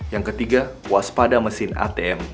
yang ketiga waspada mesin atm